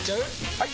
・はい！